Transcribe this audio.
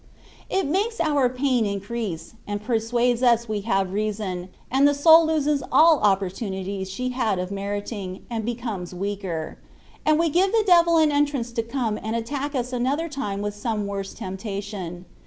It makes our pain increase, and per suades us we have reason, and the soul loses all the opportunities she had of meriting, and be comes weaker ; and we give the devil an entrance to come and attack us another time with some worse temptation.